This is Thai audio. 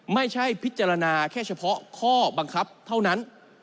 พิจารณาแค่เฉพาะข้อบังคับเท่านั้น